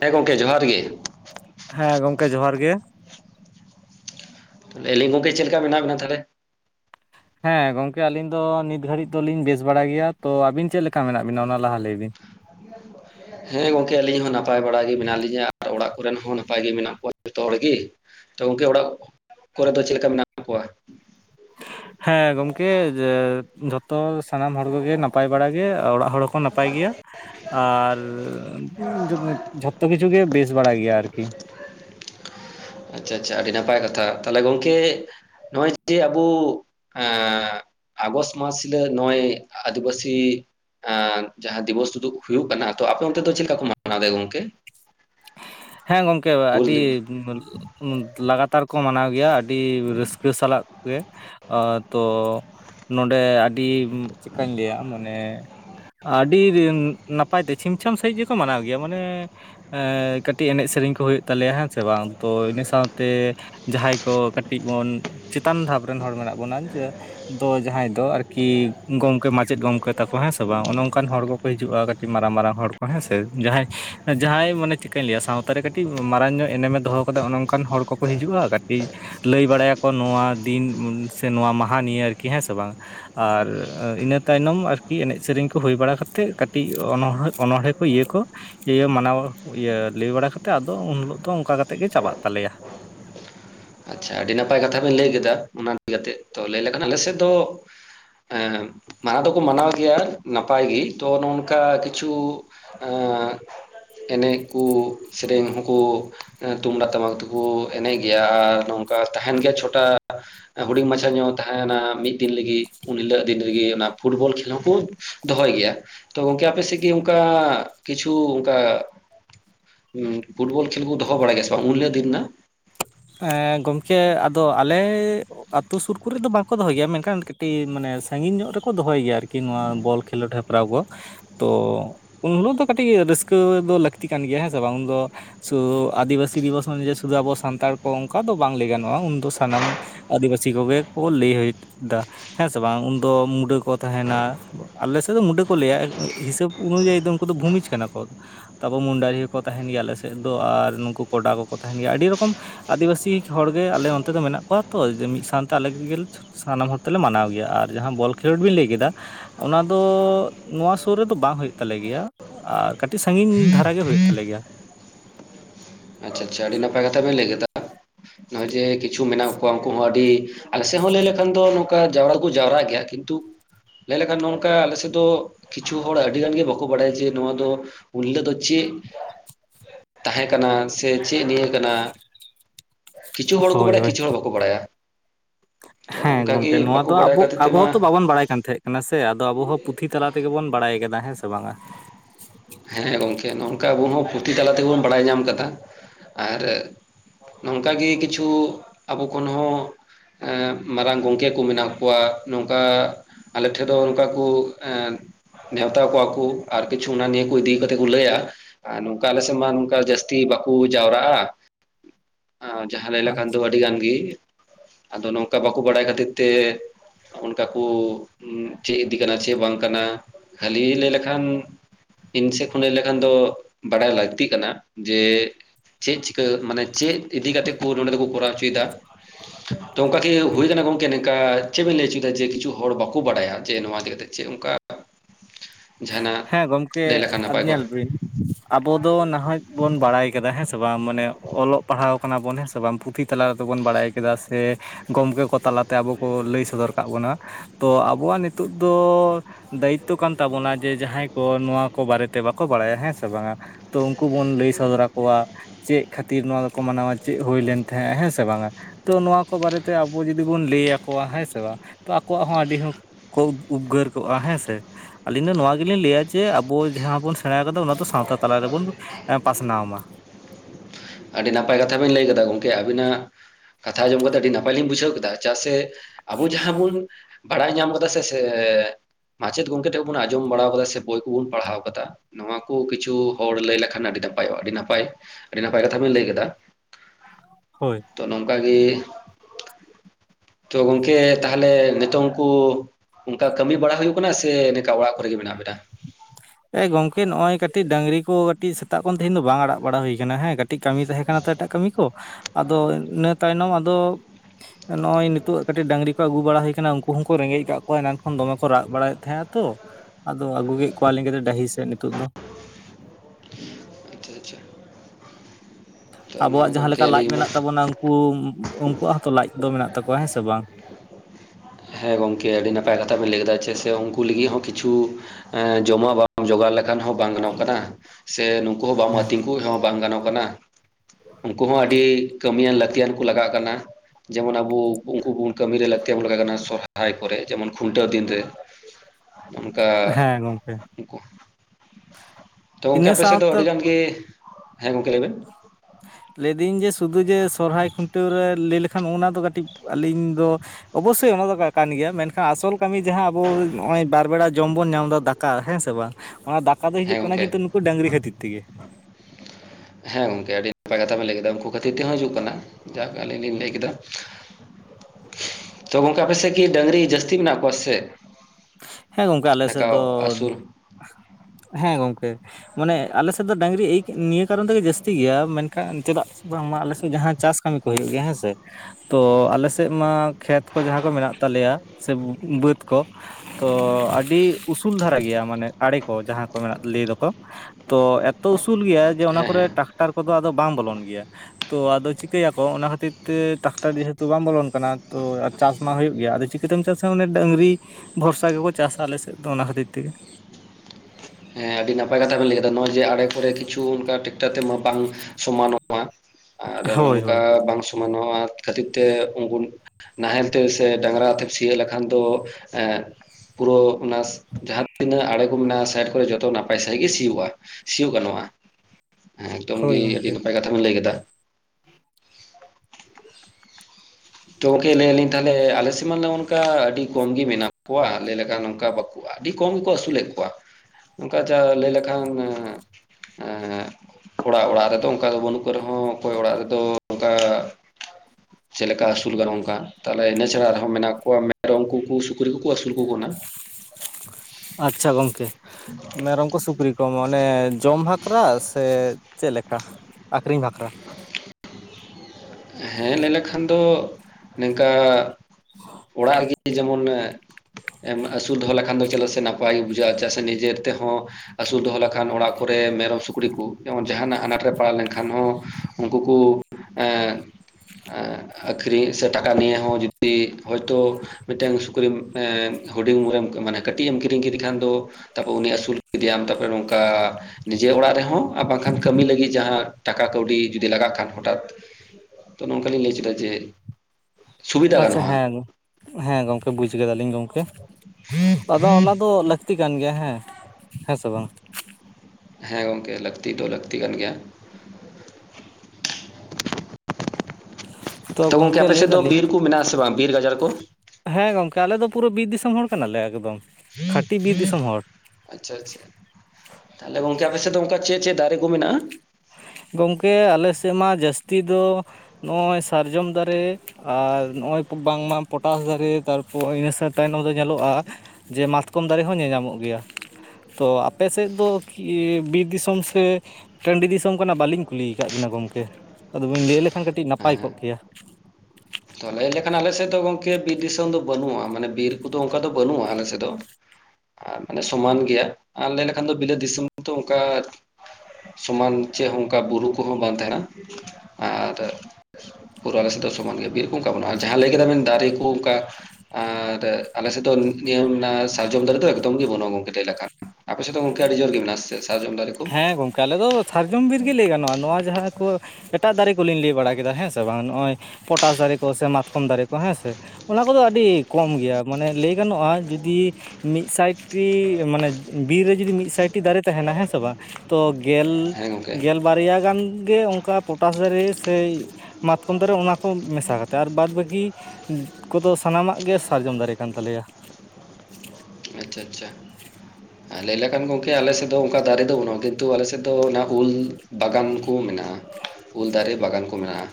ᱮ ᱜᱚᱝᱠᱮ ᱡᱚᱦᱟᱨ ᱜᱮ! ᱦᱮᱸ ᱜᱚᱝᱠᱮ ᱡᱚᱦᱟᱨ ᱜᱮ! ᱞᱟᱹᱭᱟᱞᱤᱧ ᱜᱚᱝᱠᱮ ᱪᱮᱫ ᱞᱮᱠᱟ ᱢᱮᱱᱟᱜ ᱵᱮᱱᱟ ᱛᱟᱦᱞᱮ? ᱦᱮᱸ ᱜᱚᱝᱠᱮ ᱟᱞᱤᱧ ᱫᱚ ᱱᱤᱛ ᱜᱷᱟᱹᱲᱤᱡ ᱫᱚᱞᱤᱧ ᱵᱮᱥ ᱵᱟᱲᱟ ᱜᱮᱭᱟ ᱛᱚ, ᱟᱹᱵᱤᱱ ᱪᱮᱫ ᱞᱮᱠᱟ ᱢᱮᱱᱟᱜ ᱵᱤᱱᱟ ᱚᱱᱟ ᱞᱟᱦᱟ ᱞᱟᱹᱭ ᱵᱤᱱ? [unintelligible] ᱦᱮᱸ ᱜᱚᱝᱠᱮ ᱟᱹᱞᱤᱧ ᱦᱚᱸ ᱱᱟᱯᱟᱭ ᱵᱟᱲᱟ ᱜᱮ ᱢᱮᱱᱟᱜ ᱞᱤᱧᱟ ᱟᱨ ᱚᱲᱟᱜ ᱠᱚᱨᱮᱱ ᱦᱚᱸ ᱱᱟᱯᱟᱭ ᱜᱮ ᱢᱮᱱᱟᱜ ᱠᱚᱣᱟ ᱡᱚᱛᱚ ᱦᱚᱲᱜ ᱜᱮ᱾ ᱛᱚ ᱜᱚᱝᱠᱮ ᱚᱲᱟᱜ ᱠᱚᱨᱮ ᱫᱚ ᱪᱮᱫ ᱞᱮᱠᱟ ᱢᱮᱱᱟᱜ ᱠᱚᱣᱟ? ᱦᱮᱸ ᱜᱚᱢᱠᱮ ᱡᱷᱚᱛᱚ ᱥᱟᱱᱟᱢ ᱦᱚᱲ ᱠᱚᱜᱮ ᱱᱟᱯᱟᱭ ᱵᱟᱲᱟ ᱜᱮ ᱚᱲᱟᱜ ᱦᱚᱲ ᱦᱚᱸᱠᱚ ᱱᱟᱯᱟᱭ ᱜᱮᱭᱟ᱾ ᱟᱨ ᱡᱚ ᱡᱷᱚᱛᱚ ᱠᱤᱪᱷᱩ ᱜᱮ ᱵᱮᱥ ᱵᱟᱲᱟ ᱜᱮᱭᱟ ᱟᱨᱠᱤ᱾ ᱟᱪᱪᱷᱟ ᱟᱪᱪᱷᱟ ᱟᱹᱰᱤ ᱱᱟᱯᱟᱭ ᱠᱟᱛᱷᱟ ᱛᱟᱦᱞᱮ ᱜᱚᱝᱠᱮ ᱱᱚᱜ-ᱚᱭ ᱡᱮ ᱟᱵᱩ ᱮᱸᱻ ᱟᱜᱚᱥ ᱢᱟᱥ ᱦᱤᱞᱟᱹ ᱱᱚᱭ ᱟᱹᱫᱤᱵᱟᱹᱥᱤ ᱮᱸ ᱡᱟᱦᱟᱸ ᱫᱤᱵᱚᱥ ᱩᱫᱩᱜ ᱦᱩᱭᱩᱜ ᱠᱟᱱᱟ, ᱛᱚ ᱟᱯᱮ ᱚᱱᱛᱮ ᱫᱚ ᱪᱮᱫ ᱞᱮᱠᱟ ᱢᱟᱱᱟᱣ ᱫᱟ ᱜᱚᱝᱠᱮ? ᱦᱮᱸ ᱜᱚᱝᱠᱮ ᱦᱩᱞ ᱟᱹᱰᱤ ᱫᱤᱵᱚᱥ? ᱞᱟᱜᱟᱛᱟᱨ ᱠᱚ ᱢᱟᱱᱟᱣ ᱜᱮᱭᱟ ᱟᱹᱰᱤ ᱨᱟᱹᱥᱠᱟᱹ ᱥᱟᱞᱟᱜ ᱜᱮ᱾ ᱚ ᱛᱚ ᱱᱚᱸᱰᱮ ᱟᱹᱰᱤ ᱪᱤᱠᱟᱹᱧ ᱞᱟᱹᱭᱟ ᱢᱟᱱᱮ ᱟᱹᱰᱤ ᱱᱟᱯᱟᱭ ᱛᱮ ᱪᱷᱤᱢᱪᱷᱟᱢ ᱥᱟᱺᱦᱤᱡ ᱜᱮᱠᱚ ᱢᱟᱱᱟᱣ ᱜᱮᱭᱟ ᱢᱟᱱᱮ ᱮᱸ ᱠᱟᱹᱴᱤᱡ ᱮᱱᱮᱡ ᱥᱮᱨᱮᱧ ᱠᱚ ᱦᱩᱭᱩᱜ ᱛᱟᱞᱮᱭᱟ ᱦᱮᱸ ᱥᱮ ᱵᱟᱝ ᱛᱚ ᱤᱱᱟᱹ ᱥᱟᱶᱛᱮ ᱡᱟᱦᱟᱸᱭ ᱠᱚ ᱠᱟᱹᱴᱤᱡ ᱵᱚᱱ ᱪᱮᱛᱟᱱ ᱫᱷᱟᱯ ᱨᱮᱱ ᱦᱚᱲ ᱢᱮᱱᱟᱜ ᱵᱚᱱᱟ ᱡᱮ ᱫᱚ ᱡᱟᱦᱟᱸᱭ ᱫᱚ ᱟᱨᱠᱤ ᱜᱚᱝᱠᱮ ᱢᱟᱪᱮᱫ ᱜᱚᱝᱠᱮ ᱛᱟᱠᱚ ᱦᱮᱸ ᱥᱮ ᱵᱟᱝ ᱚᱱᱮ ᱚᱝᱠᱟᱱ ᱦᱚᱲ ᱠᱚ ᱦᱤᱡᱩᱜ-ᱟ ᱠᱟᱹᱴᱤᱡ ᱢᱟᱨᱟᱝ ᱢᱟᱨᱟᱝ ᱦᱚᱲ ᱠᱚ ᱦᱮᱸᱥᱮ ᱡᱟᱦᱟᱸᱭ, ᱡᱟᱦᱟᱸᱭ ᱢᱟᱱᱮ ᱪᱤᱠᱟᱹᱧ ᱞᱟᱹᱭᱟ ᱥᱟᱶᱛᱟᱨᱮ ᱠᱟᱹᱴᱤᱡ ᱢᱟᱨᱟᱝ ᱧᱚᱜ ᱮᱱᱮᱢᱮ ᱫᱚᱦᱚ ᱠᱟᱫᱟ ᱚᱱᱮ ᱚᱱᱠᱟᱱ ᱦᱚᱲ ᱠᱚᱠᱚ ᱦᱤᱡᱩᱜ-ᱟ ᱠᱟᱹᱴᱤᱡ ᱞᱟᱹᱭ ᱵᱟᱲᱟᱭᱟᱠᱚ ᱱᱚᱣᱟ ᱫᱤᱱ ᱥᱮ ᱱᱚᱣᱟ ᱢᱟᱦᱟ ᱱᱤᱭᱮ ᱟᱨᱠᱤ ᱦᱮᱸ ᱥᱮ ᱵᱟᱝ᱾ ᱟᱨ ᱤᱱᱟᱹ ᱛᱟᱭᱱᱚᱢ ᱟᱨᱠᱤ ᱮᱱᱮᱡᱽ ᱥᱮᱨᱮᱧ ᱠᱚ ᱦᱳᱭ ᱵᱟᱲᱟ ᱠᱟᱛᱮᱫ ᱠᱟᱹᱴᱤᱡ ᱚᱱᱚᱲ ᱚᱱᱚᱲᱦᱮᱸ ᱤᱭᱟᱹ ᱠᱚ ᱤᱭᱟᱹ ᱢᱟᱱᱟᱣ ᱤᱭᱟᱹ ᱞᱟᱹᱭ ᱵᱟᱲᱟ ᱠᱟᱛᱮ ᱟᱫᱚ ᱩᱱ ᱦᱤᱞᱳᱜ ᱫᱚ ᱚᱝᱠᱟ ᱠᱟᱛᱮᱫ ᱜᱮ ᱪᱟᱵᱟᱜ ᱛᱟᱞᱮᱭᱟ᱾ ᱟᱪᱪᱷᱟ ᱟᱹᱰᱤ ᱱᱟᱯᱟᱭ ᱠᱟᱛᱷᱟ ᱵᱮᱱ ᱞᱟᱹᱭ ᱠᱮᱫᱟ ᱚᱱᱟ ᱤᱫᱤ ᱠᱟᱛᱮᱫ, ᱛᱚ ᱞᱟᱹᱭ ᱞᱮᱠᱷᱟᱱ ᱟᱞᱮ ᱥᱮᱫ ᱫᱚ ᱮᱸ ᱢᱟᱱᱟᱣ ᱫᱚᱠᱚ ᱢᱟᱱᱟᱣ ᱜᱮᱭᱟ ᱱᱟᱯᱟᱭ ᱜᱤ ᱛᱚ ᱱᱚᱱᱠᱟ ᱠᱤᱪᱷᱩ ᱮᱸᱻ ᱮᱱᱮᱡ ᱠᱩ ᱥᱮᱨᱮᱧ ᱦᱩᱸᱠᱩ ᱮᱸ ᱛᱩᱢᱫᱟᱜ ᱴᱟᱢᱟᱠ ᱛᱮᱠᱩ ᱮᱱᱮᱡ ᱜᱮᱭᱟ ᱟᱨ ᱱᱚᱝᱠᱟ ᱛᱟᱦᱮᱸᱱ ᱜᱮᱭᱟ ᱪᱷᱚᱴᱟ ᱦᱩᱸᱰᱤᱧ ᱢᱟᱪᱷᱟ ᱧᱚᱜ ᱛᱟᱦᱮᱸᱱᱟ ᱢᱤᱫ ᱫᱤᱱ ᱞᱤᱜᱤᱫ ᱩᱱᱦᱤᱞᱳᱜ ᱫᱤᱱ ᱨᱮᱜᱮ ᱚᱱᱟ ᱯᱷᱩᱴᱵᱚᱞ ᱠᱷᱮᱞ ᱦᱚᱸᱠᱩ ᱫᱚᱦᱚᱭ ᱜᱮᱭᱟ ᱛᱚ ᱜᱚᱝᱠᱮ ᱟᱯᱮ ᱥᱮᱫ ᱜᱤ ᱚᱝᱠᱟ ᱠᱤᱪᱷᱩ ᱚᱝᱠᱟ ᱦᱩᱸ ᱯᱷᱩᱴᱵᱚᱞ ᱠᱷᱮᱞ ᱠᱚ ᱫᱚᱦᱚ ᱵᱟᱲᱟᱭ ᱜᱮᱭᱟ ᱥᱮ ᱵᱟᱝ ᱩᱱᱞᱳ ᱫᱤᱱ ᱨᱮᱱᱟᱜ? ᱮᱸ ᱜᱚᱢᱠᱮ ᱟᱫᱚ ᱟᱞᱮᱻ ᱟᱹᱛᱳ ᱥᱩᱨ ᱠᱚᱨᱮᱫ ᱫᱚ ᱵᱟᱝᱠᱚ ᱫᱚᱦᱚᱭ ᱜᱮᱭᱟ ᱢᱮᱱᱠᱷᱟᱱ ᱠᱟᱹᱴᱤᱡ ᱢᱟᱱᱮ ᱥᱟᱺᱜᱤᱧ ᱧᱚᱸᱜ ᱨᱮᱠᱚ ᱫᱚᱦᱚᱭ ᱜᱮᱭᱟ ᱟᱨ ᱠᱤ ᱱᱚᱣᱟ ᱵᱚᱞ ᱠᱷᱮᱞᱳᱰ ᱦᱮᱯᱨᱟᱣ ᱠᱚ, ᱛᱳ ᱩᱱ ᱦᱤᱞᱳᱜ ᱫᱚ ᱠᱟᱹᱴᱤᱡ ᱨᱟᱹᱥᱠᱟᱹ ᱫᱚ ᱞᱟᱹᱠᱛᱤ ᱠᱟᱱ ᱜᱮᱭᱟ ᱦᱮᱸ ᱥᱮ ᱵᱟᱝ ᱩᱱᱫᱚ ᱥᱳ ᱟᱹᱫᱤᱵᱟᱹᱥᱤ ᱫᱤᱵᱚᱥ ᱢᱟᱱᱮ ᱡᱮ ᱥᱩᱫᱩ ᱟᱵᱚ ᱥᱟᱱᱛᱟᱲ ᱠᱚ ᱚᱝᱠᱟ ᱫᱚ ᱵᱟᱝ ᱞᱮᱭ ᱜᱟᱱᱚᱜᱼᱟ ᱩᱱᱫᱚ ᱥᱟᱱᱟᱢ ᱟᱹᱫᱤᱵᱟᱹᱥᱤ ᱠᱚᱜᱮ ᱠᱚ ᱞᱮᱭ ᱦᱮᱫ ᱫᱟ᱾ ᱦᱮᱸ ᱥᱮ ᱵᱟᱝ ᱩᱱᱫᱚ ᱢᱩᱰᱟᱹ ᱠᱚ ᱛᱟᱸᱦᱮᱱᱟ ᱟᱞᱮ ᱥᱮᱫ ᱫᱚ ᱢᱩᱰᱟᱹ ᱠᱚ ᱞᱮᱭᱟ ᱦᱤᱥᱟᱹᱵᱽ᱾ ᱚᱱᱩᱡᱟᱭᱤ ᱫᱚ ᱩᱱᱠᱩ ᱫᱚ ᱵᱷᱩᱢᱤᱡ ᱠᱟᱱᱟ ᱠᱚ᱾ ᱛᱟᱯᱚᱨ ᱢᱩᱱᱰᱟᱨᱤ ᱦᱚᱸᱠᱚ ᱛᱟᱦᱮᱸᱱ ᱜᱮᱭᱟ ᱟᱞᱮ ᱥᱮᱫ ᱫᱚ ᱟᱨ ᱱᱩᱠᱩ ᱠᱚᱰᱟ ᱠᱚᱠᱚ ᱛᱟᱦᱮᱱ ᱜᱮᱭᱟ ᱟᱹᱰᱤ ᱨᱚᱠᱚᱢ ᱟᱹᱫᱤᱵᱟᱹᱥᱤ ᱦᱚᱲᱜᱮ ᱟᱞᱮ ᱚᱱᱛᱮ ᱫᱚ ᱢᱮᱱᱟᱜ ᱠᱤᱣᱟ ᱛᱚ ᱡᱮ ᱢᱤᱫ ᱥᱟᱶᱛᱮ ᱟᱞᱮ ᱠᱚᱜᱮ ᱞᱮ ᱥᱟᱱᱟᱢ ᱦᱚᱲ ᱛᱮᱞᱮ ᱢᱟᱱᱟᱣ ᱜᱮᱭᱟ, ᱟᱨ ᱡᱟᱸᱦᱟᱸ ᱵᱚᱞ ᱠᱷᱮᱞᱳᱰ ᱵᱤᱱ ᱞᱟᱹᱭ ᱠᱮᱫᱟ᱾ ᱚᱱᱟ ᱫᱚ ᱱᱚᱣᱟ ᱥᱳᱨ ᱨᱮᱫᱚ ᱵᱟᱝ ᱦᱩᱭᱩᱜ ᱛᱟᱞᱮ ᱜᱮᱭᱟ ᱾ ᱟᱻ ᱠᱟᱹᱴᱤᱡ ᱥᱟᱹᱜᱤᱧ ᱫᱷᱟᱨᱟ ᱜᱮ ᱦᱳᱭᱳᱜ ᱛᱟᱞᱮ ᱜᱮᱭᱟ ᱾ ᱟᱪᱪᱷᱟ ᱟᱪᱪᱷᱟ ᱟᱹᱰᱤ ᱱᱟᱯᱟᱭ ᱠᱟᱛᱷᱟ ᱵᱮᱱ ᱞᱮᱭ ᱠᱮᱫᱟ ᱱᱚᱜᱼᱚᱭ ᱡᱮ ᱠᱤᱪᱷᱩ ᱢᱮᱱᱟᱜ ᱠᱚᱣᱟ ᱩᱱᱠᱩ ᱦᱚᱸ ᱟᱹᱰᱤ ᱟᱞᱮ ᱥᱮᱫ ᱦᱚᱸ ᱞᱮᱭ ᱞᱮᱠᱷᱟᱱ ᱫᱚ ᱱᱚᱝᱠᱟ ᱡᱟᱣᱨᱟ ᱠᱚ ᱡᱟᱣᱨᱟᱜ ᱜᱮᱭᱟ ᱾ ᱠᱤᱱᱛᱩ ᱞᱮᱭ ᱞᱮᱠᱷᱟᱱ ᱱᱚᱝᱠᱟ ᱟᱞᱮᱥᱮᱫ ᱫᱚ ᱠᱤᱪᱷᱩ ᱦᱚᱲ ᱟᱹᱰᱤ ᱜᱟᱱ ᱜᱮ ᱵᱟᱠᱚ ᱵᱟᱲᱟᱭᱟ ᱡᱮ ᱱᱚᱣᱟ ᱫᱚ ᱩᱱᱦᱤᱞᱳᱜ ᱫᱚ ᱪᱮᱫ ᱛᱟᱦᱮᱸ ᱠᱟᱱᱟ? ᱥᱮ ᱪᱮᱫ ᱱᱤᱭᱮ ᱠᱟᱱᱟ? ᱠᱤᱪᱷᱩ ᱦᱚᱲ ᱠᱚ ᱦᱳᱭ ᱵᱟᱲᱟᱭᱟ ᱦᱳᱭ ᱠᱤᱪᱷᱩ ᱦᱚᱲ ᱵᱟᱠᱚ ᱵᱟᱲᱟᱭᱟ ᱾ ᱦᱮᱸ ᱜᱚᱝᱠᱮ ᱱᱚᱣᱟ ᱵᱟᱠᱚ ᱫᱚ ᱵᱟᱲᱟᱭ ᱟᱵᱚ ᱠᱷᱟᱹᱛᱤᱨ ᱟᱵᱚ ᱛᱮᱢᱟ ᱦᱚᱸᱛᱚ ᱵᱟᱵᱚᱱ ᱵᱟᱲᱟᱭ ᱠᱟᱱ ᱛᱟᱦᱮᱸᱜ ᱠᱟᱱᱟ ᱥᱮ ᱟᱫᱚ ᱟᱵᱚ ᱦᱚᱸ ᱯᱩᱛᱷᱤ ᱛᱟᱞᱟ ᱛᱮᱜᱮ ᱵᱚᱱ ᱵᱟᱰᱟᱭ ᱠᱟᱫᱟ ᱦᱮᱸ ᱥᱮ ᱵᱟᱝᱟ! ᱦᱮᱸ ᱦᱮᱸ ᱜᱚᱝᱠᱮ ᱱᱚᱝᱠᱟ ᱟᱵᱚ ᱦᱚᱸ ᱯᱩᱷᱛᱤ ᱛᱟᱞᱟ ᱛᱮᱜᱮᱵᱚᱱ ᱵᱟᱰᱟᱭ ᱧᱟᱢ ᱠᱟᱫᱟ ᱾ ᱟᱨ ᱱᱚᱝᱠᱟᱜᱮ ᱠᱤᱪᱷᱩ ᱟᱵᱚ ᱠᱷᱚᱱ ᱦᱚᱸ ᱦᱮᱸ ᱢᱟᱨᱟᱝ ᱜᱚᱝᱠᱮ ᱠᱚ ᱢᱮᱱᱟᱜ ᱠᱳᱣᱟ ᱱᱳᱝᱠᱟ ᱟᱞᱮ ᱴᱷᱮᱫ ᱫᱚ ᱚᱱᱠᱟ ᱠᱚ ᱮᱫ ᱱᱮᱣᱛᱟ ᱠᱚᱣᱟ ᱠᱚ ᱟᱨ ᱠᱤᱪᱷᱩ ᱚᱱᱟ ᱱᱤᱭᱟᱹ ᱠᱚ ᱤᱫᱤ ᱠᱟᱛᱮᱜ ᱠᱚ ᱞᱮᱭᱟ ᱾ ᱟᱨ ᱱᱚᱝᱠᱟ ᱟᱞᱮ ᱥᱮᱜ ᱢᱟ ᱱᱚᱝᱠᱟ ᱡᱟᱹᱥᱛᱤ ᱵᱟ ᱠᱩᱻ ᱡᱟᱣᱨᱟᱜᱼᱟ ᱡᱟᱸᱦᱟᱸ ᱞᱮᱭ ᱞᱮᱠᱷᱟᱱ ᱫᱚ ᱟᱪᱪᱷᱟ ᱟᱹᱰᱤ ᱜᱟᱱ ᱜᱮ ᱾ ᱟᱫᱚ ᱱᱚᱝᱠᱟ ᱵᱟᱠᱚ ᱵᱟᱲᱟᱭ ᱠᱷᱟᱹᱛᱤᱨ ᱛᱮ ᱦᱚᱜᱼᱚᱱᱠᱟ ᱠᱚ ᱩ, ᱸ ᱪᱮᱫ ᱤᱫᱤ ᱠᱟᱱᱟ ᱪᱮᱫ ᱵᱟᱝ ᱠᱟᱱᱟ ᱠᱷᱟᱹᱞᱤ ᱞᱮᱭ ᱞᱮᱠᱷᱟᱱ ᱤᱧ ᱥᱮᱫ ᱠᱷᱚᱱ ᱞᱮᱭ ᱞᱮᱠᱷᱟᱱ ᱫᱚ ᱵᱟᱰᱟᱭ ᱞᱟᱠᱛᱤᱜ ᱠᱟᱱᱟ ᱡᱮ ᱪᱮᱫ ᱪᱤᱠᱟᱹ ᱢᱟᱱᱮ ᱪᱮᱫ ᱤᱫᱤ ᱠᱟᱛᱮᱜ ᱠᱚ ᱱᱚᱰᱮ ᱫᱚᱠᱚ ᱠᱳᱨᱟᱣ ᱦᱚᱪᱚᱭ ᱫᱟ? ᱛᱚ ᱝᱠᱟ ᱜᱮ ᱦᱩᱸ ᱦᱳᱭ ᱠᱟᱱᱟ ᱜᱚᱝᱠᱮ ᱱᱚᱝᱠᱟ ᱪᱮᱫ ᱵᱮᱱ ᱞᱮᱭ ᱦᱚᱪᱚᱭ ᱫᱟ ᱡᱮ ᱠᱤᱪᱷᱩ ᱦᱚᱲ ᱵᱟᱠᱚ ᱵᱟᱲᱟᱭᱟ ᱡᱮ ᱱᱚᱣᱟ ᱤᱫᱤ ᱠᱟᱛᱮᱜ ᱪᱮᱫᱽ ᱚᱝᱠᱟ ᱦᱮᱸ ᱜᱚᱢᱠᱮ ᱟᱫ ᱧᱮᱞ ᱠᱚᱜᱼᱟ ᱵᱤᱱ ᱾ ᱟᱵᱚ ᱫᱚ ᱱᱟᱦᱟᱜ ᱵᱚᱱ ᱵᱟᱲᱟᱭ ᱠᱟᱫᱟ ᱦᱮᱸ ᱥᱮ ᱵᱟᱝ ᱢᱟᱱᱮ ᱚᱞᱚᱜ ᱯᱟᱲᱦᱟᱣ ᱠᱟᱱᱟ ᱵᱚᱱ ᱦᱮᱸ ᱥᱮ ᱵᱟᱝ ᱯᱩᱛᱷᱤ ᱛᱟᱞᱟ ᱨᱮᱫᱚ ᱵᱚᱱ ᱵᱟᱲᱟᱭ ᱠᱮᱫᱟ ᱥᱮ ᱜᱚᱢᱠᱮ ᱠᱚ ᱛᱟᱞᱟᱛᱮ ᱟᱵᱚ ᱠᱚ ᱞᱮᱭ ᱥᱚᱫᱚᱨ ᱠᱟᱜ ᱵᱚᱱᱟ ᱾ ᱛᱚ ᱟᱵᱚᱣᱟᱜ ᱱᱤᱛᱳᱜ ᱫᱚ ᱫᱟᱭᱤᱛᱛᱚ ᱠᱟᱱ ᱛᱟᱵᱚᱱᱟ ᱡᱮ ᱡᱟᱸᱦᱟᱸᱭ ᱠᱚ ᱱᱚᱣᱟ ᱠᱚ ᱵᱟᱨᱮᱛᱮ ᱵᱟᱠᱚ ᱵᱟᱲᱟᱭᱟ ᱦᱮᱸ ᱥᱮ ᱵᱟᱝᱟ ᱛᱚ ᱩᱝᱠᱩ ᱵᱚᱱ ᱞᱮᱭ ᱥᱚᱫᱚᱨ ᱟᱠᱚᱭᱟ ᱾ ᱪᱮᱫᱽ ᱠᱷᱟᱹᱛᱤᱨ ᱱᱚᱣᱟ ᱫᱚᱠᱚ ᱢᱟᱱᱟᱣᱟ? ᱪᱮᱫ ᱦᱳᱭ ᱞᱮᱱ ᱛᱟᱸᱦᱮᱜ? ᱦᱮᱸ ᱥᱮᱜ ᱵᱟᱝᱟ! ᱛᱚ ᱱᱚᱣᱟ ᱠᱚ ᱵᱟᱨᱮᱛᱮ ᱟᱵᱚ ᱡᱩᱫᱤ ᱵᱚᱱ ᱞᱮᱭ ᱟᱠᱚᱣᱟ ᱦᱮᱸ ᱥᱮ ᱵᱟᱝ ᱛᱚ ᱟᱠᱚᱣᱟᱜ ᱦᱚᱸ ᱟᱹᱰᱤ ᱦᱚᱸ ᱠᱚ ᱩᱫᱜᱟᱹᱨ ᱠᱚᱜᱼᱟ ᱦᱮᱸ ᱥᱮ ᱟᱞᱤᱧ ᱫᱚ ᱱᱚᱣᱟ ᱜᱤᱞᱤᱧ ᱞᱮᱭᱟ ᱡᱮ ᱟᱵᱚ ᱡᱟᱸᱦᱟᱸ ᱵᱚᱱ ᱥᱮᱬᱟ ᱠᱟᱫᱟ ᱚᱱᱟ ᱫᱚ ᱥᱟᱶᱛᱟ ᱛᱟᱞᱟᱨᱮᱵᱚᱱ ᱯᱟᱥᱱᱟᱣ ᱢᱟ ᱾ ᱟᱹᱰᱤ ᱱᱟᱯᱟᱭ ᱠᱟᱛᱷᱟ ᱵᱮᱱ ᱞᱮᱭ ᱠᱟᱫᱟ ᱜᱚᱝᱠᱮ ᱟᱵᱤᱱᱟᱜ ᱠᱟᱛᱷᱟ ᱟᱸᱡᱚᱢ ᱠᱟᱛᱮᱜ ᱟᱹᱰᱤ ᱱᱟᱯᱟᱭ ᱞᱤᱧ ᱵᱩᱡᱷᱟᱹᱣ ᱠᱮᱫᱟ ᱾ ᱪᱮᱫᱟᱜ ᱥᱮ ᱟᱵᱚ ᱡᱟᱸᱦᱟ ᱵᱚᱱ ᱵᱟᱲᱟᱭ ᱧᱟᱢ ᱠᱟᱫᱟ ᱥᱮ ᱥᱮᱻ ᱢᱟᱪᱮᱫ ᱜᱚᱝᱠᱮ ᱴᱷᱮᱱ ᱵᱚᱱ ᱟᱸᱡᱚᱢ ᱵᱟᱲᱟᱣ ᱠᱟᱫᱟ ᱥᱮ ᱵᱳᱭ ᱠᱚᱵᱚᱱ ᱯᱟᱲᱦᱟᱣ ᱠᱟᱫᱟ ᱾ ᱱᱚᱣᱟ ᱠᱚ ᱠᱤᱪᱷᱩ ᱦᱚᱲ ᱞᱮᱭ ᱞᱮᱠᱷᱟᱱ ᱟᱹᱰᱤ ᱱᱟᱯᱟᱭᱚᱜᱼᱟ ᱟᱹᱰᱤ ᱱᱟᱯᱟᱭ ᱟᱹᱰᱤ ᱱᱟ ᱯᱟᱭ ᱠᱟᱛᱷᱟ ᱵᱮᱱ ᱞᱮᱭ ᱠᱮᱫᱟ ᱾ ᱦᱳᱭ ᱾ ᱛᱚ ᱱᱚᱝᱠᱟ ᱜᱮ ᱛᱚ ᱜᱚᱝᱠᱮ ᱛᱟᱦᱚᱞᱮ ᱱᱤᱛᱳᱝ ᱩᱝᱠᱩ ᱚᱝᱠᱟ ᱠᱟᱹᱢᱤ ᱵᱟᱲᱟ ᱦᱳᱭᱳᱜ ᱠᱟᱱᱟ ᱥᱮ ᱱᱚᱝᱠᱟ ᱚᱲᱟᱜ ᱠᱚᱨᱮ ᱜᱮ ᱢᱮᱱᱟᱜ ᱵᱮᱱᱟ? ᱮᱸ ᱜᱚᱝᱠᱮ ᱱᱚᱜᱼᱚᱭ ᱠᱟᱹᱴᱤᱡ ᱰᱟᱝᱨᱤ ᱠᱚ ᱠᱟᱹᱴᱤᱡ ᱥᱮᱛᱟᱜ ᱠᱷᱚᱱ ᱛᱮᱦᱮᱱ ᱫᱚ ᱵᱟᱝ ᱟᱲᱟᱜ ᱵᱟᱲᱟ ᱦᱩᱭ ᱟᱠᱟᱱᱟ ᱦᱮᱸ ᱠᱟ ᱴᱤᱡ ᱠᱟᱹᱢᱤ ᱛᱟᱦᱮᱸ ᱠᱟᱱᱟ ᱛᱚ ᱮᱴᱟᱜ ᱠᱟᱹᱢᱤ ᱠᱚ, ᱟᱫᱚ ᱤᱱᱟᱹ ᱛᱟᱭᱱᱚᱢ ᱟᱫᱚ [inaudible] ᱱᱚᱜᱼᱚᱭ ᱱᱤᱛᱳᱜ ᱠᱟᱹᱴᱤᱡ ᱰᱟᱝᱨᱤ ᱠᱚ ᱟᱹᱜᱩ ᱵᱟᱲᱟ ᱦᱩᱭ ᱠᱟᱱᱟ ᱩᱝᱠᱩ ᱦᱚᱸᱠᱚ ᱨᱮᱸᱜᱮᱡ ᱟᱠᱟᱜ ᱠᱚᱣᱟ ᱮᱱᱟᱱ ᱠᱷᱚᱱ ᱫᱚᱢᱮ ᱠᱚ ᱨᱟᱜ ᱵᱟᱲᱟᱭᱮᱫ ᱛᱟᱦᱮᱸᱜᱼᱟ ᱛᱚ ᱾ ᱟᱫᱚ ᱟᱹᱜᱩ ᱠᱮᱫ ᱠᱚᱣᱟᱞᱤᱧ ᱠᱟᱹᱴᱤᱡ ᱰᱟᱹᱦᱤ ᱥᱮᱫ ᱱᱤᱛᱳᱜ ᱫᱚ ᱾ ᱟᱪᱪᱷᱟ ᱟᱪᱪᱷᱟ ᱾ ᱟᱵᱚᱣᱟᱜ ᱡᱟᱦᱟᱸ ᱞᱮᱠᱟ ᱞᱟᱡ ᱢᱮᱱᱟᱜ ᱛᱟᱵᱚᱱᱟ ᱩᱱᱠᱩ ᱩᱱᱠᱩᱣᱟᱜ ᱦᱚᱸᱛᱚ ᱞᱟᱡ ᱫᱚ ᱢᱮᱱᱟᱜ ᱛᱟᱠᱚᱣᱟ ᱦᱮᱸ ᱥᱮ ᱵᱟᱝ᱾ ᱦᱮᱸ ᱜᱚᱝᱠᱮ ᱟᱹᱰᱤ ᱱᱟᱯᱟᱭ ᱠᱟᱛᱷᱟ ᱵᱮᱱ ᱞᱟᱹᱭ ᱠᱮᱫᱟ ᱪᱮᱫ ᱥᱮ ᱩᱱᱠᱩ ᱞᱟᱹᱜᱤᱫ ᱦᱚᱸ ᱠᱤᱪᱷᱩ ᱡᱚᱢᱟ ᱵᱟᱢ ᱡᱚᱜᱟᱲ ᱞᱮᱠᱷᱟᱱ ᱦᱚᱸ ᱵᱟᱝ ᱜᱟᱱᱚᱜ ᱠᱟᱱᱟ, ᱥᱮ ᱱᱩᱠᱩ ᱦᱚᱸ ᱵᱟᱢ ᱦᱮᱸ ᱟᱹᱛᱤᱧ ᱠᱩ ᱨᱮ ᱦᱚᱸ ᱵᱟᱝ ᱜᱟᱱᱚᱜ ᱠᱟᱱᱟ ᱩᱱᱠᱩ ᱦᱚᱸ ᱟᱹᱰᱤ ᱠᱟᱹᱢᱤᱭᱟᱱ ᱞᱟᱹᱠᱛᱤᱭᱟᱱ ᱠᱚ ᱞᱟᱜᱟᱜ ᱠᱟᱱᱟ᱾ ᱡᱮᱢᱚᱱ ᱟᱵᱚ ᱩᱱᱠᱩ ᱵᱩᱱ ᱠᱟᱹᱢᱤ ᱨᱮ ᱞᱟᱹᱠᱛᱤ [unintelligible] ᱠᱟᱱᱟ᱾ ᱥᱚᱨᱦᱟᱭ ᱠᱚᱨᱮ ᱡᱮᱢᱚᱱ ᱠᱷᱩᱱᱴᱟᱹᱣ ᱫᱤᱱ ᱨᱮ᱾ ᱚᱱᱠᱟ ᱦᱮᱸ ᱜᱚᱝᱠᱮ ᱩᱱᱠᱩ᱾ ᱛᱚ ᱜᱚᱝᱠᱮ ᱤᱱᱟᱹ ᱟᱯᱮ ᱥᱮᱫ ᱫᱚ ᱥᱟᱶᱛᱮ ᱟᱹᱰᱤ ᱜᱟᱱ ᱜᱮ, ᱦᱮᱸ ᱜᱚᱝᱠᱮ ᱞᱟᱹᱭ ᱵᱮᱱ᱾ ᱞᱟᱹᱭ ᱫᱟᱹᱧ ᱡᱮ ᱥᱩᱫᱷᱩ ᱡᱮ ᱥᱚᱨᱦᱟᱭ ᱠᱷᱩᱱᱴᱟᱹᱣ ᱨᱮ ᱞᱟᱹᱭ ᱞᱮᱠᱷᱟᱱ ᱱᱚᱜ-ᱚ ᱱᱟᱫᱚ ᱠᱟᱹᱴᱤᱡ ᱟᱹᱞᱤᱧ ᱫᱚ ᱚᱵᱚᱥᱳᱭ ᱚᱱᱟ ᱫᱚ ᱠᱟᱱ ᱜᱮᱭᱟ ᱢᱮᱱᱠᱷᱟᱱ ᱟᱥᱚᱞ ᱠᱟᱹᱢᱤ ᱡᱟᱦᱟᱸ ᱟᱵᱚ ᱱᱚᱜ-ᱚᱭ ᱵᱟᱨ ᱵᱮᱲᱟ ᱡᱚᱢ ᱵᱚᱱ ᱧᱟᱢ ᱮᱫᱟ ᱫᱟᱠᱟ ᱦᱮᱸ ᱥᱮ ᱵᱟᱝ᱾ ᱚᱱᱟ ᱫᱟᱠᱟ ᱫᱚ ᱦᱮᱸ ᱦᱤᱡᱩᱜ ᱠᱟᱱᱟ ᱜᱚᱢᱠᱮ ᱠᱤᱱᱛᱩ ᱱᱩᱠᱩ ᱰᱟᱹᱝᱨᱤ ᱠᱷᱟᱹᱛᱤᱨ ᱛᱮᱜᱮ᱾ [inaudible] ᱦᱮᱸ ᱜᱚᱝᱠᱮ ᱟᱹᱰᱤ ᱱᱟᱯᱟᱭ ᱠᱟᱛᱷᱟ ᱵᱮᱱ ᱞᱟᱹᱭ ᱠᱮᱫᱟ ᱩᱱᱠᱩ ᱠᱷᱟᱹᱛᱤᱨ ᱛᱮᱦᱚᱸ ᱦᱤᱡᱩᱜ ᱠᱟᱱᱟ ᱡᱟᱠ ᱟᱹᱞᱤᱧ ᱞᱤᱧ ᱞᱟᱹᱭ ᱠᱮᱫᱟ᱾ ᱛᱚ ᱜᱚᱝᱠᱮ ᱟᱯᱮ ᱥᱮᱫ ᱠᱤ ᱰᱟᱹᱝᱨᱤ ᱡᱟᱹᱥᱛᱤ ᱢᱮᱱᱟᱜ ᱠᱚᱣᱟ ᱥᱮᱜ? ᱦᱮᱸ ᱜᱚᱝᱠᱮ ᱟᱞᱮ ᱥᱮᱫ ᱫᱚ, ᱟᱹᱥᱩᱞ ᱦᱮᱸ ᱜᱚᱝᱠᱮ᱾ ᱢᱟᱱᱮ ᱟᱞᱮ ᱥᱮᱫ ᱫᱚ ᱰᱟᱹᱝᱨᱤ ᱮᱭ ᱱᱤᱭᱟᱹ ᱠᱟᱨᱚᱱ ᱛᱮᱜᱮ ᱡᱟᱹᱥᱛᱤ ᱜᱮᱭᱟ ᱢᱮᱱᱠᱷᱟᱱ ᱪᱮᱫᱟᱜ ᱵᱟᱝᱢᱟ ᱟᱞᱮ ᱥᱮᱫ ᱡᱟᱦᱟᱸ ᱪᱟᱥ ᱠᱟᱹᱢᱤ ᱠᱚ ᱦᱩᱭᱩᱜ ᱜᱮᱭᱟ ᱦᱮᱸ ᱥᱮ᱾ ᱛᱚ ᱟᱞᱮ ᱥᱮᱫ ᱢᱟ ᱠᱷᱮᱛ ᱠᱚ ᱡᱟᱦᱟᱸ ᱠᱚ ᱢᱮᱱᱟᱜ ᱛᱟᱞᱮᱭᱟ ᱥᱮ ᱵᱟᱹᱫᱽ ᱠᱚ᱾ ᱛᱚ ᱟᱹᱰᱤ ᱩᱥᱩᱞ ᱫᱷᱟᱨᱟ ᱜᱮᱭᱟ ᱢᱟᱱᱮ ᱟᱲᱮ ᱠᱚ ᱡᱟᱦᱟᱸ ᱠᱚ ᱢᱮᱱᱟᱜ ᱞᱟᱹᱭ ᱫᱚ ᱠᱚ᱾ ᱛᱚ ᱮᱛᱚ ᱩᱥᱩᱞ ᱜᱮᱭᱟ ᱡᱮ ᱚᱱᱟ ᱦᱮᱸ ᱠᱚᱨᱮ ᱦᱮᱸ ᱴᱨᱟᱠᱴᱟᱨ ᱠᱚᱫᱚ ᱟᱫᱚ ᱵᱟᱝ ᱵᱚᱞᱚᱱ ᱜᱮᱭᱟ᱾ ᱛᱚ ᱟᱫᱚ ᱪᱤᱠᱟᱹᱭᱟᱠᱚ ᱚᱱᱟ ᱠᱷᱟᱹᱛᱤᱨ ᱛᱮ ᱴᱟᱠᱴᱟᱨ ᱡᱮᱦᱮᱸᱛᱩ ᱵᱟᱝ ᱵᱚᱞᱚᱱ ᱠᱟᱱᱟ ᱛᱚ ᱪᱟᱥ ᱢᱟ ᱦᱩᱭᱩᱜ ᱜᱮᱭᱟ ᱟᱫᱚ ᱪᱤᱠᱟᱛᱮᱢ ᱪᱟᱥᱟ ᱚᱱᱮ ᱰᱟᱹᱝᱨᱤ ᱵᱷᱚᱨᱥᱟ ᱜᱮᱠᱚ ᱪᱟᱥᱟ ᱟᱞᱮᱥᱮᱫ ᱫᱚ ᱚᱱᱟ ᱠᱷᱟᱹᱛᱤᱨ ᱛᱮᱜᱮ᱾ ᱦᱮᱸ ᱟᱹᱰᱤ ᱱᱟᱯᱟᱭ ᱠᱟᱛᱷᱟ ᱵᱮᱱ ᱞᱟᱹᱭ ᱠᱮᱫᱟ ᱱᱚᱜ ᱡᱮ ᱟᱲᱮ ᱠᱚᱨᱮ ᱠᱤᱪᱷᱩ ᱚᱱᱠᱟ ᱴᱮᱠᱴᱟᱨ ᱛᱮᱢᱟ ᱵᱟᱝ ᱥᱚᱢᱟᱱᱚᱜ ᱟ ᱟᱨ ᱦᱳᱭ ᱱᱚᱝᱠᱟ ᱦᱳᱭ ᱵᱟᱝ ᱥᱚᱢᱟᱱᱚᱜ ᱠᱷᱟᱹᱛᱤᱨ ᱛᱮ ᱩᱱᱠᱩ ᱱᱟᱦᱮᱸᱞ ᱛᱮ ᱥᱮ ᱰᱟᱝᱨᱟ ᱛᱮᱢ ᱥᱤᱭᱳᱜ ᱞᱮᱱᱠᱷᱟᱱ ᱫᱚ ᱮ᱾ ᱯᱩᱨᱟᱹ ᱚᱱᱟ ᱡᱟᱦᱟᱸ ᱛᱤᱱᱟᱹᱜ ᱟᱲᱮ ᱠᱚ ᱢᱮᱱᱟᱜ-ᱟ ᱥᱮ ᱡᱚᱛᱚ ᱱᱟᱯᱟᱭ ᱥᱟᱹᱦᱤᱡ ᱜᱮ ᱥᱤᱭᱳᱜ-ᱟ ᱥᱤᱭᱳᱜ ᱜᱟᱱᱚᱜ-ᱟ ᱮᱠᱫᱚᱢ ᱦᱳᱭ ᱟᱹᱰᱤ ᱜᱚᱝᱠᱮ ᱱᱟᱯᱟᱭ ᱠᱟᱛᱷ ᱠᱟᱛᱷᱟᱢ ᱞᱟᱹᱭ ᱠᱮᱫᱟ᱾ ᱛᱚ ᱜᱚᱢᱠᱮ ᱞᱟᱹᱭᱟ ᱟᱹᱞᱤᱧ ᱛᱟᱦᱚᱸᱞᱮ ᱟᱞᱮ ᱥᱮᱱ ᱢᱟ ᱚᱱᱮ ᱚᱱᱠᱟ ᱟᱹᱰᱤ ᱠᱚᱢ ᱜᱮ ᱢᱮᱱᱟᱜ ᱠᱚᱣᱟ ᱟᱞᱮ ᱞᱮᱠᱟᱱ ᱱᱚᱝᱠᱟ ᱵᱟ ᱟᱹᱰᱤ ᱠᱚᱢ ᱜᱮᱠᱚ ᱟᱹᱥᱩᱞᱮᱫ ᱠᱚᱣᱟ ᱚᱱᱠᱟ ᱡᱟ ᱞᱟᱹᱭ ᱞᱮᱠᱷᱟᱱ ᱛᱷᱚᱲᱟ ᱚᱲᱟᱜ ᱨᱮᱫᱚ ᱚᱱᱠᱟ ᱫᱚ ᱵᱟᱹᱱᱩᱜ ᱠᱚ ᱨᱮᱦᱚᱸ ᱚᱠᱚᱭ ᱚᱲᱟᱜ ᱨᱮᱫᱚ ᱚᱱᱠᱟ ᱪᱮᱫ ᱞᱮᱠᱟ ᱟᱹᱥᱩᱞ ᱜᱟᱱᱚᱜ-ᱟ ᱚᱝᱠᱟ ᱛᱟᱦᱚᱸᱞᱮ ᱤᱱᱟᱹ ᱪᱷᱟᱲᱟ ᱟᱛᱷᱟᱢ ᱢᱮᱱᱟᱜ ᱠᱚᱣᱟ ᱢᱮᱨᱚᱢ ᱠᱚᱠᱚ ᱥᱩᱠᱨᱤ ᱠᱚᱠᱚ ᱟᱹᱥᱩᱞ ᱠᱩ ᱠᱟᱱᱟ᱾ ᱟᱪᱪᱷᱟ ᱜᱚᱝᱠᱮ ᱾ ᱢᱮᱨᱚᱢ ᱠᱚ ᱥᱩᱠᱨᱤ ᱠᱚ ᱢᱟᱱᱮ ᱡᱚᱢ ᱵᱟᱠᱷᱨᱟ ᱥᱮ ᱪᱮᱫ ᱞᱮᱠᱟ? ᱟᱹᱠᱷᱨᱤᱧ ᱵᱟᱠᱷᱨᱟ᱾ ᱦᱮᱸ ᱞᱟᱹᱭ ᱞᱮᱠᱷᱟᱱ ᱫᱚ ᱱᱚᱝᱠᱟ ᱚᱲᱟᱜ ᱨᱮᱜᱮ᱾ ᱡᱮᱢᱚᱱ ᱮᱢ ᱟᱹᱥᱩᱞ ᱫᱚᱦᱚᱸ ᱞᱮᱠᱷᱟᱱ ᱫᱚ ᱪᱮᱫᱟᱜ ᱥᱮ ᱱᱟᱯᱟᱭ ᱜᱮ ᱵᱩᱡᱷᱟᱹᱜ-ᱟ ᱪᱮᱫᱟᱜ ᱥᱮ ᱱᱤᱡᱮ ᱛᱮᱦᱚᱸ᱾ ᱟᱹᱥᱩᱞ ᱫᱚᱦᱚᱸ ᱞᱮᱠᱷᱟᱱ ᱚᱲᱟᱜ ᱠᱚᱨᱮ ᱢᱮᱨᱚᱢ ᱥᱩᱠᱨᱤ ᱠᱩ ᱡᱮᱢᱚ ᱡᱟᱦᱟᱸᱱᱟᱜ ᱟᱱᱟᱴ ᱨᱮ ᱯᱟᱲᱟᱣ ᱞᱮᱱᱠᱷᱟᱱ ᱦᱚᱸ ᱩᱱᱠᱩ ᱠᱩ ᱮ ᱮ ᱟᱹᱠᱷᱨᱤᱧ ᱥᱮ ᱴᱟᱠᱟ ᱱᱤᱭᱮ ᱦᱚᱸ ᱡᱩᱫᱤ ᱦᱳᱭᱛᱳ ᱢᱤᱫᱴᱮᱱ ᱥᱩᱠᱨᱤ ᱮ ᱦᱩᱰᱤᱧ ᱨᱮ ᱢᱟᱱᱮ ᱠᱟᱹᱴᱤᱡ ᱮᱢ ᱠᱤᱨᱤᱧ ᱠᱮᱫᱮ ᱠᱷᱟᱱ ᱫᱚ ᱛᱟᱨᱯᱚᱨᱮ ᱩᱱᱤ ᱟᱹᱥᱩᱞ ᱠᱮᱫᱮᱭᱟᱢ ᱛᱟᱨᱯᱚᱨᱮ ᱱᱚᱝᱠᱟ ᱱᱤᱡᱮ ᱚᱲᱟᱜ ᱨᱮᱦᱚᱸ ᱟᱨ ᱵᱟᱝᱠᱷᱟᱱ ᱠᱟᱹᱢᱤ ᱞᱟᱹᱜᱤᱫ ᱡᱟᱦᱟᱸ ᱴᱟᱠᱟ ᱠᱟᱹᱣᱰᱤ ᱡᱩᱫᱤ ᱞᱟᱜᱟᱜ ᱠᱷᱟᱱ ᱦᱚᱴᱟᱛ᱾ ᱛᱚ ᱱᱚᱝᱠᱟ ᱞᱤᱧ ᱞᱟᱹᱭ ᱦᱚᱪᱚᱭᱮᱫᱟ ᱡᱮ ᱥᱩᱵᱤᱫᱷᱟ ᱟᱪᱪᱷᱟ ᱜᱟᱱᱚᱜᱼᱟ ᱦᱮᱸ ᱦᱮᱸ ᱜᱚᱝᱠᱮ ᱵᱩᱡᱽ ᱠᱮᱫᱟᱞᱤᱧ ᱜᱚᱢᱠᱮ᱾ ᱟᱫᱚ ᱚᱱᱟ ᱫᱚ ᱞᱟᱹᱠᱛᱤ ᱠᱟᱱ ᱜᱮᱭᱟ ᱦᱮᱸ, ᱦᱮᱸ ᱥᱮ ᱵᱟᱝ᱾ ᱦᱮᱸ ᱜᱚᱝᱠᱮ ᱞᱟᱹᱠᱛᱤ ᱫᱚ ᱞᱟᱹᱠᱛᱤ ᱠᱟᱱ ᱜᱮᱭᱟ᱾ ᱛᱚ ᱜᱚᱝᱠᱮ ᱟᱯᱮ ᱥᱮᱫ ᱫᱚ ᱵᱤᱨ ᱠᱩ ᱢᱮᱱᱟᱜᱼᱟᱥᱮ ᱵᱟᱝ ᱵᱤᱨ ᱜᱟᱡᱟᱲ ᱠᱚ? ᱦᱮᱸ ᱜᱚᱝᱠᱮ ᱟᱞᱮ ᱫᱚ ᱯᱩᱨᱟᱹ ᱵᱤᱨ ᱫᱤᱥᱚᱢ ᱦᱚᱲ ᱠᱟᱱᱟᱞᱮ ᱮᱠᱫᱚᱢ᱾ ᱠᱷᱟᱹᱴᱤ ᱵᱤᱨ ᱫᱤᱥᱚᱢ ᱦᱚᱲ [unintelligible] ᱟᱪᱪᱷᱟ ᱟᱪᱪᱷᱟ ᱛᱟᱦᱞᱮ ᱜᱚᱝᱠᱮ ᱟᱯᱮ ᱥᱮᱫ ᱫᱚ ᱚᱝᱠᱟ ᱪᱮᱜ ᱪᱮᱜ ᱫᱟᱨᱮ ᱠᱚ ᱢᱮᱱᱟᱜᱼᱟ? ᱜᱚᱝᱠᱮ ᱟᱞᱮ ᱥᱮᱜ ᱢᱟ ᱡᱟᱹᱥᱛᱤ ᱫᱚ ᱱᱚᱜᱼᱚᱭ ᱥᱟᱨᱡᱚᱢ ᱫᱟᱨᱮ ᱟᱨ ᱱᱚᱜᱼᱚᱭ ᱵᱟᱝᱢᱟ ᱯᱚᱴᱟᱥ ᱫᱟᱨᱮ ᱛᱟᱨᱯᱚ ᱤᱱᱟᱹ ᱥᱟᱶ ᱛᱟᱭᱱᱚᱢ ᱫᱚ ᱧᱮᱞᱚᱜᱼᱟ ᱡᱮ ᱢᱟᱛᱠᱚᱢ ᱫᱟᱨᱮ ᱦᱚᱸ ᱧᱮ ᱧᱟᱢᱚᱜ ᱜᱮᱭᱟ᱾ ᱛᱚ ᱟᱯᱮ ᱥᱮᱫ ᱫᱚ ᱠᱤ ᱵᱤᱨ ᱫᱤᱥᱚᱢ ᱥᱮ ᱴᱟᱺᱰᱤ ᱫᱤᱥ ᱛᱚ ᱚᱝᱠᱟᱱᱟᱜ ᱵᱟᱹᱞᱤᱧ ᱠᱩᱞᱤ ᱟᱠᱟᱜ ᱵᱤᱱᱟ ᱜᱚᱝᱠᱮ ᱟᱫᱚ ᱵᱤᱱ ᱞᱟᱹᱭ ᱞᱮᱠᱷᱟᱱ ᱠᱟᱹᱴᱤᱡ ᱱᱟᱯᱟᱭ ᱦᱮᱸ ᱠᱚᱜ ᱠᱮᱭᱟ᱾ ᱛᱚ ᱞᱟᱹᱭ ᱞᱮᱠᱷᱟᱱ ᱟᱞᱮ ᱥᱮᱫ ᱫᱚ ᱜᱚᱝᱠᱮ ᱵᱤᱨ ᱫᱤᱥᱚᱢ ᱫᱚ ᱵᱟᱹᱱᱩᱜᱼᱟ ᱢᱟᱱᱮ ᱵᱤᱨ ᱠᱚᱫᱚ ᱚᱝᱠᱟ ᱫᱚ ᱵᱟᱹᱱᱩᱜᱼᱟ ᱟᱞᱮ ᱥᱮᱫ ᱫᱚ᱾ ᱟᱨ ᱢᱟᱱᱮ ᱥᱚᱢᱟᱱ ᱜᱮᱭᱟ ᱟᱨ ᱞᱟᱹᱭ ᱞᱮᱠᱷᱟᱱ ᱫᱚ ᱵᱤᱞᱟᱹᱛ ᱫᱤᱥᱚᱢ ᱛᱚ ᱚᱝᱠᱟ ᱥᱚᱢᱟᱱ ᱪᱮᱜ ᱦᱚᱸ ᱚᱝᱠᱟ ᱵᱩᱨᱩ ᱠᱚᱦᱚᱸ ᱵᱟᱝ ᱛᱟᱦᱮᱱᱟ ᱟᱨ ᱯᱩᱨ ᱟᱞᱮ ᱥᱮᱫ ᱫᱚ ᱥᱚᱢᱟᱱ ᱜᱮᱭᱟ ᱵᱤᱨ ᱠᱩ ᱚᱝᱠᱟ ᱵᱟᱹᱱᱩᱜ-ᱟ ᱡᱟᱦᱟᱸ ᱞᱟᱹᱭ ᱠᱮᱫᱟ ᱵᱤᱱ ᱫᱟᱨᱮ ᱠᱩ ᱚᱝᱠᱟ ᱟᱨ ᱟᱞᱮ ᱥᱮᱫ ᱫᱚ ᱱᱤᱭᱟᱹᱢ ᱢᱮᱱᱟᱜ-ᱟ ᱥᱟᱨᱡᱚᱢ ᱫᱟᱨᱮ ᱫᱚ ᱮᱠᱫᱚᱢ ᱜᱮ ᱵᱟᱹᱱᱩᱜᱼᱟ ᱜᱚᱝᱠᱮ ᱞᱟᱹᱭ ᱞᱮᱠᱷᱟᱱ᱾ ᱟᱯᱮ ᱥᱮᱫ ᱫᱚ ᱜᱚᱝᱠᱮ ᱟᱹᱰᱤ ᱡᱩᱨ ᱜᱮ ᱢᱮᱱᱟᱜ-ᱟ ᱥᱮ ᱥᱮᱜ ᱥᱟᱨᱚᱢ ᱫᱟᱨᱮ? ᱠᱚ? ᱦᱮᱸ ᱜᱚᱝᱠᱮ ᱟᱞᱮ ᱫᱚ ᱥᱟᱨᱡᱚᱢ ᱵᱤᱨ ᱜᱮ ᱞᱟᱹᱭ ᱜᱟᱱᱚᱜᱼᱟ ᱱᱚᱣᱟ ᱡᱟᱦᱟᱸ ᱠᱚ᱾ ᱮᱴᱟᱜ ᱫᱟᱨᱮ ᱠᱚᱞᱤᱧ ᱞᱟᱹᱭ ᱵᱟᱲᱟ ᱠᱮᱫᱟ ᱦᱮᱸ ᱥᱮ ᱵᱟᱝ ᱱᱚᱜᱼᱚᱭ ᱯᱚᱴᱟᱥ ᱫᱟᱨᱮ ᱠᱚ ᱥᱮ ᱢᱟᱛᱠᱚᱢ ᱫᱟᱨᱮ ᱠᱚ ᱦᱮᱸ ᱥᱮ᱾ ᱚᱱᱟ ᱠᱚᱫᱚ ᱟᱹᱰᱤ ᱠᱚᱢ ᱜᱮᱭᱟ ᱢᱟᱱᱮ ᱞᱟᱹᱭ ᱜᱟᱱᱚᱜᱼᱟ ᱡᱩᱚᱫᱤ ᱢᱤᱫ ᱥᱟᱭᱴᱨᱤ ᱢᱟᱱᱮ ᱵᱤᱨ ᱨᱮ ᱡᱩᱫᱤ ᱢᱤᱫ ᱥᱟᱭᱴᱤ ᱫᱟᱨᱮ ᱛᱟᱦᱮᱱᱟ ᱦᱮᱸ ᱥᱮ ᱵᱟᱝ᱾ ᱛᱚ ᱜᱮᱞ ᱦᱮᱸ ᱜᱚᱝᱠᱮ ᱜᱮᱞ ᱵᱟᱨᱭᱟ ᱜᱟᱱ ᱜᱮ ᱚᱝᱠᱟ ᱯᱚᱴᱟᱥ ᱫᱟᱨᱮ ᱥᱮᱭ ᱢᱟᱛᱠᱚᱢ ᱫᱟᱨᱮ ᱚᱱᱟ ᱠᱚ ᱢᱮᱥᱟ ᱠᱟᱛᱮᱜ ᱟᱨ ᱵᱟᱫᱽ ᱵᱟᱹᱠᱤ ᱠᱚᱫᱚ ᱥᱟᱱᱟᱢᱟᱜ ᱜᱮ ᱥᱟᱨᱡᱚᱢ ᱫᱟᱨᱮ ᱠᱟᱱ ᱛᱟᱞᱮᱭᱟ᱾ ᱟᱪᱪᱷᱟ ᱟᱪᱪᱷᱟ᱾ ᱟᱨ ᱞᱟᱹᱭ ᱞᱮᱠᱷᱟᱱ ᱜᱚᱝᱠᱮ ᱟᱞᱮᱥᱮᱫ ᱫᱚ ᱚᱝᱠᱟ ᱫᱟᱨᱮ ᱫᱚ ᱵᱟᱹᱱᱩᱜᱼᱟ ᱠᱤᱱᱛᱩ ᱟᱞᱮᱥᱮᱫ ᱫᱚ ᱚᱱᱟ ᱩᱞ ᱵᱟᱜᱟᱱ ᱠᱚ ᱢᱮᱱᱟᱜᱼᱟ᱾ ᱩᱞ ᱫᱟᱨᱮ ᱵᱟᱜᱟᱱ ᱠᱚ ᱢᱮᱱᱟᱜᱼᱟ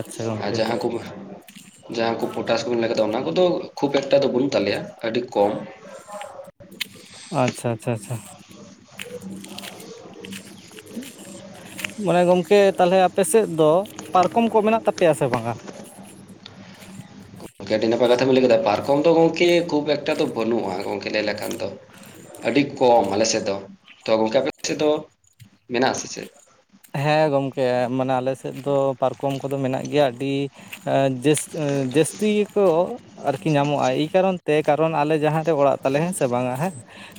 ᱟᱪᱪᱷᱟ ᱟᱨ ᱜᱚᱢᱠᱮ ᱡᱟᱦᱟᱸ ᱠᱚ ᱡᱟᱦᱟᱸ ᱠᱚ ᱯᱚᱴᱟᱥ ᱠᱚᱵᱤᱱ ᱞᱟᱹᱭ ᱠᱮᱫᱟ ᱚᱱᱟ ᱠᱚᱫᱚ ᱠᱷᱩᱵ ᱮᱠᱴᱟ ᱫᱚ ᱵᱟᱹᱱᱩᱜ ᱛᱟᱞᱮᱭᱟ ᱟᱹᱰᱤ ᱠᱚᱢ᱾ ᱟᱪᱪᱷᱟ ᱟᱪᱪᱷᱟ ᱟᱪᱪᱷᱟ᱾ [unintelligible] [inaudible] ᱢᱟᱱᱮ ᱜᱚᱢᱠᱮ ᱛᱟᱦᱟᱞᱮ ᱟᱯᱮ ᱥᱮᱫ ᱫᱚ ᱯᱟᱨᱠᱚᱢ ᱠᱚ ᱢᱮᱱᱟᱜ ᱛᱟᱯᱮᱭᱟ ᱥᱮ ᱵᱟᱝᱟ? ᱝᱠᱮ ᱟᱹᱰᱤ ᱱᱟᱯᱟᱭ ᱠᱟᱛᱷᱟ ᱵᱤᱱ ᱞᱟᱹᱭ ᱠᱮᱫᱟ ᱯᱟᱨᱠᱚᱢ ᱫᱚ ᱜᱚᱝᱠᱮ ᱠᱷᱩᱵ ᱮᱠᱴᱟ ᱫᱚ ᱵᱟᱹᱱᱩᱜᱼᱟ ᱜᱚᱝᱠᱮ ᱞᱟᱹᱭ ᱞᱮᱠᱷᱟᱱ ᱫᱚ᱾ ᱟᱹᱰᱤ ᱠᱚᱢ ᱟᱞᱮ ᱥᱮᱫ ᱫᱚ ᱛᱚ ᱜᱚᱝᱠᱮ ᱟᱯᱮ ᱥᱮᱫ ᱫᱚ ᱢᱮᱱᱟᱜ-ᱟ ᱥᱮ ᱪᱮᱫ? ᱦᱮᱸ ᱜᱚᱢᱠᱮ ᱢᱟᱱᱮ ᱟᱞᱮ ᱥᱮᱫ ᱫᱚ ᱯᱟᱨᱠᱚᱢ ᱠᱚᱫᱚ ᱢᱮᱱᱟᱜ ᱜᱮᱭᱟ ᱟᱹᱰᱤ ᱡᱟᱹᱥ ᱡᱟᱹᱥᱛᱤ ᱜᱮ ᱠᱚ ᱟᱨᱠᱤ ᱧᱟᱢᱚᱜᱼᱟ ᱮᱭ ᱠᱟᱨᱚᱱ ᱛᱮ ᱠᱟᱨᱚᱱ ᱟᱞᱮ ᱡᱟᱦᱟᱸ ᱨᱮ ᱚᱲᱟᱜ ᱛᱟᱞᱮ ᱦᱮᱸ ᱥᱮ ᱵᱟᱝᱟ ᱦᱮᱸ᱾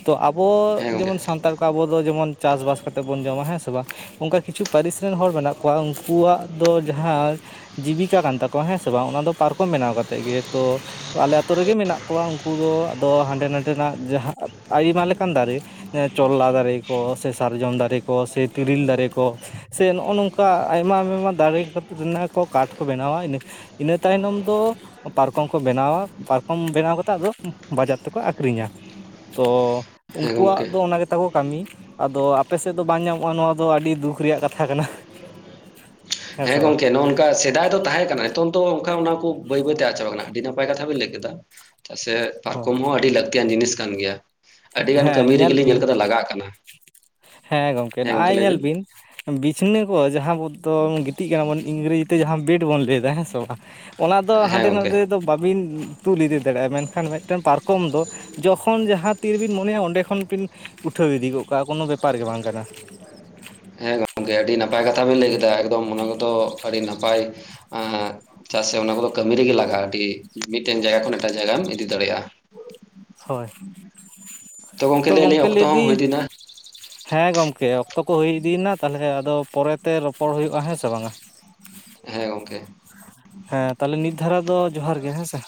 ᱛᱚ ᱟᱵᱚ ᱦᱮᱸ ᱜᱚᱝᱠᱮ ᱡᱮᱢᱚᱱ ᱥᱟᱱᱛᱟᱲ ᱠᱚ ᱟᱵᱚ ᱫᱚ ᱡᱮᱢᱚᱱ ᱪᱟᱥᱼᱵᱟᱥ ᱠᱟᱛᱮ ᱵᱚᱱ ᱡᱚᱢᱟ ᱦᱮᱸ ᱥᱮ ᱵᱟᱝ᱾ ᱚᱝᱠᱟ ᱠᱤᱪᱷᱩ ᱯᱟᱹᱨᱤᱥ ᱨᱮᱱ ᱦᱚᱲ ᱢᱮᱱᱟᱜ ᱠᱚᱣᱟ ᱩᱝᱠᱩᱣᱟᱜ ᱫᱚ ᱡᱟᱦᱟᱸ ᱡᱤᱵᱤᱠᱟ ᱠᱟᱱ ᱛᱟᱠᱚᱣᱟ ᱦᱮᱸ ᱥᱮ ᱵᱟᱝ ᱚᱱᱟ ᱫᱚ ᱯᱟᱨᱠᱚᱢ ᱵᱮᱱᱟᱣ ᱠᱟᱛᱮᱜ ᱜᱮ ᱛᱚ ᱟᱞᱮ ᱟᱛᱩ ᱨᱮᱜᱮ ᱢᱮᱱᱟᱜ ᱠᱚᱣᱟ ᱩᱝᱠᱩ ᱫᱚ ᱟᱫᱚ ᱦᱟᱸᱰᱮ ᱱᱰᱮᱱᱟᱜ ᱡᱟᱦᱟᱸ ᱟᱭᱢᱟ ᱞᱮᱠᱟᱱ ᱫᱟᱨᱮ᱾ ᱪᱚᱞᱞᱟ ᱫᱟᱨᱮ ᱠᱚ ᱥᱮ ᱥᱟᱨᱡᱚᱢ ᱫᱟᱨᱮ ᱠᱚ ᱥᱮ ᱛᱤᱨᱤᱞ ᱫᱟᱨᱮ ᱠᱚ ᱥᱮ ᱱᱚᱜᱼ ᱱᱚᱝᱠᱟ ᱟᱭᱢᱟ ᱫᱟᱨᱮ ᱠᱷᱟᱹᱛᱤᱨ ᱨᱮᱱᱟ ᱠᱚ ᱠᱟᱴᱷ ᱠᱚ ᱵᱮᱱᱟᱣᱟ ᱤᱱᱟᱹ ᱤᱱᱟᱹ ᱛᱟᱭᱱᱚᱢ ᱫᱚ ᱯᱟᱨᱠᱚᱢ ᱠᱚ ᱵᱮᱱᱟᱣᱟ ᱯᱟᱨᱠᱚᱢ ᱵᱮᱱᱟᱣ ᱠᱟᱛᱮᱜ ᱟᱫᱚ ᱵᱟᱡᱟᱨ ᱛᱮᱠᱚ ᱟᱠᱷᱨᱤᱧᱟ, ᱛᱚ ᱦᱮᱸ ᱩᱝᱠᱩᱣᱟᱜ ᱜᱚᱝᱠᱮ ᱫᱚ ᱚᱱᱟ ᱜᱮ ᱛᱟᱠᱚ ᱠᱟᱹᱢᱤ ᱟᱫᱚ ᱟᱯᱮ ᱥᱮᱫ ᱫᱚ ᱵᱟᱝ ᱧᱟᱢᱚᱜᱼᱟ ᱱᱚᱣᱟ ᱫᱚ ᱟᱹᱰᱤ ᱫᱩᱠ ᱨᱮᱭᱟᱜ ᱠᱟᱛᱷᱟ ᱠᱟᱱᱟ᱾ ᱦᱮᱸ ᱥᱮ ᱵᱟᱝ ᱜᱚᱝᱠᱮ ᱱᱚᱜᱼᱚᱱᱠᱟ᱾ ᱠᱟ ᱥᱮᱫᱟᱭ ᱫᱚ ᱛᱟᱦᱮᱸ ᱠᱟᱱᱟ ᱦᱤᱛᱚᱝ ᱫᱚ ᱚᱱᱠᱟ ᱚᱱᱟ ᱠᱚ ᱵᱟᱹᱭ ᱵᱟᱹᱭᱛᱮ ᱟᱫ ᱪᱟᱵᱟᱜ ᱠᱟᱱᱟ᱾ ᱟᱹᱰᱤ ᱱᱟᱯᱟᱭ ᱠᱟᱛᱷᱟ ᱵᱤᱱ ᱞᱟᱹᱭ ᱠᱮᱫᱟ᱾ ᱪᱮᱫᱟᱜ ᱥᱮ ᱯᱟᱨᱠᱚᱢ ᱦᱚᱸ ᱟᱹᱰᱤ ᱞᱟᱹᱠᱛᱤᱭᱟᱱ ᱡᱤᱱᱤᱥ ᱠᱟᱱ ᱜᱮᱭᱟ᱾ ᱟᱹᱰᱤᱜᱟᱱ ᱦᱮᱸ ᱠᱟᱹᱢᱤ ᱧᱮᱞ ᱨᱮᱜᱮᱞᱤᱧ ᱵᱤᱱ᱾ ᱠᱟᱫᱟ ᱞᱟᱜᱟᱜ ᱠᱟᱱᱟ ᱦᱮᱸ ᱜᱚᱝᱠᱮ ᱱᱟᱜᱼᱚᱭ ᱧᱮᱞ ᱵᱤᱱ ᱵᱤᱪᱷᱱᱟᱹ ᱠᱚ ᱡᱟᱦᱟᱸ ᱵᱚ ᱫᱚᱢ ᱜᱤᱛᱤᱡ ᱠᱟᱱᱟ ᱵᱚᱱ ᱤᱝᱨᱮᱡᱤ ᱛᱮ ᱡᱟᱦᱟᱸ ᱵᱮᱴ ᱵᱚᱱ ᱞᱟᱹᱭᱫᱟ, ᱦᱮᱸ ᱥᱮ ᱵᱟᱝ? ᱚᱱᱟ ᱫᱚ ᱦᱮᱸ ᱦᱟᱸᱰᱮ ᱜᱚᱝᱠᱮ ᱱᱟᱰᱮ ᱫᱚ ᱵᱟᱵᱤᱱ ᱛᱩᱞ ᱤᱫᱤ ᱫᱟᱲᱮᱭᱟᱜᱼᱟ ᱢᱮᱱᱠᱷᱟᱱ ᱢᱤᱫᱴᱮᱱ ᱯᱟᱨᱠᱚᱢ ᱫᱚ ᱡᱚᱠᱷᱚᱱ ᱡᱟᱦᱟᱸ ᱛᱤᱨ ᱨᱤᱵᱤᱱ ᱢᱚᱱᱮᱭᱟ ᱚᱸᱰᱮ ᱠᱷᱚᱱ ᱵᱤᱱ ᱩᱴᱷᱟᱹᱣ ᱤᱫᱤ ᱜᱚᱜ ᱠᱟᱜᱼᱟ ᱠᱚᱱᱚ ᱵᱮᱯᱟᱨ ᱜᱮ ᱵᱟᱝ ᱠᱟᱱᱟ᱾ ᱦᱮᱸ ᱜᱚᱝᱠᱮ ᱟᱹᱰᱤ ᱱᱟᱯᱟᱭ ᱠᱟᱛᱷᱟ ᱵᱤᱱ ᱞᱟᱹᱭ ᱠᱮᱫᱟ, ᱮᱠᱫᱚᱢ ᱚᱱᱟ ᱠᱚᱫᱚ ᱟᱹᱰᱤ ᱱᱟᱯᱟᱭ ᱮᱸᱜ ᱪᱮᱫᱟᱜ ᱥᱮ ᱚᱱᱟ ᱠᱚᱫᱚ ᱠᱟᱹᱢᱤ ᱨᱮᱜᱮ ᱞᱟᱜᱟᱜᱼᱟ ᱟᱹᱰᱤ ᱢᱤᱫᱴᱮᱱ ᱡᱟᱭᱜᱟ ᱠᱷᱚᱱ ᱮᱴᱟᱜ ᱡᱟᱭᱜᱟᱢ ᱤᱫᱤ ᱫᱟᱲᱮᱭᱟᱜᱼᱟ᱾ ᱦᱳᱭ᱾ ᱜᱚᱝᱠᱮ ᱛᱚ ᱞᱟᱹᱭ ᱟᱹᱞᱤᱧ ᱜᱚᱢᱠᱮ ᱚᱠᱛᱚ ᱦᱚᱸ ᱦᱩᱭ ᱞᱟᱹᱭᱫᱟᱹᱧ ᱤᱫᱤᱱᱟ ᱦᱮᱸ ᱜᱚᱝᱠᱮ ᱚᱠᱛᱚ ᱠᱚ ᱦᱩᱭ ᱤᱫᱤᱭᱮᱱᱟ ᱛᱟᱞᱦᱮ ᱟᱫᱚ ᱯᱚᱨᱮᱛᱮ ᱨᱚᱯᱚᱲ ᱦᱩᱭᱩᱜᱼᱟ, ᱦᱮᱸ ᱥᱮ ᱵᱟᱝ? ᱦᱮᱸ ᱜᱚᱝᱠᱮ᱾ ᱛᱟᱦᱚᱞᱮ ᱱᱤᱛ ᱫᱷᱟᱨᱟ ᱡᱚᱦᱟᱨ ᱜᱮ ᱦᱮᱸᱥᱮ᱾